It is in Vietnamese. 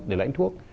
để lấy thuốc